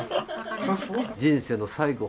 人生の最期